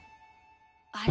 あれ？